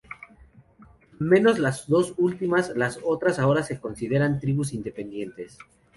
Menos las dos últimas, las otras ahora se consideran tribus independientes.